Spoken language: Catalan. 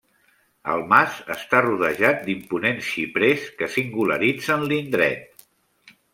El mas està rodejat d'imponents xiprers que singularitzen l’indret.